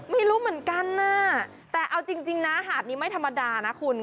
ไม่รู้เหมือนกันนะแต่เอาจริงนะหาดนี้ไม่ธรรมดานะคุณ